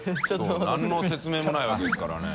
何の説明もないわけですからね。